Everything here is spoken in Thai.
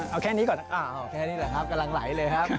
เอาแค่นี้ก่อนอ้าวแค่นี้แหละครับกำลังไหลเลยครับ